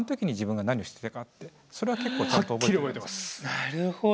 なるほど。